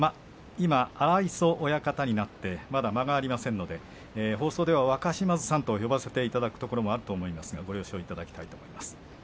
今、荒磯親方になってまだ間がありませんので放送では若嶋津さんと呼ばせていただくところもあると思いますがご了承いただきたいと思います。